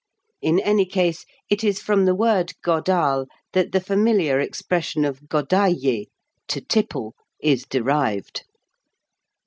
In any case, it is from the word godale that the familiar expression of godailler (to tipple) is derived.